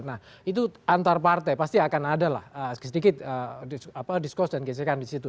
nah itu antar partai pasti akan ada lah sedikit diskus dan gesekan di situ